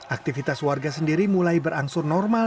aktivitas warga sendiri mulai berangsur normal